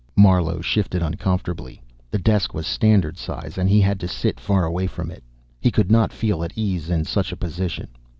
Marlowe shifted uncomfortably. The desk was standard size, and he had to sit far away from it. He could not feel at ease in such a position.